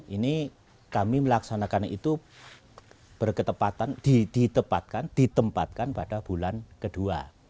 ini kami melaksanakan itu berketepatan ditempatkan pada bulan kedua